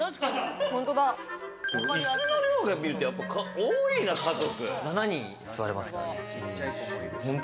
いすの量を見ると多いな、家族。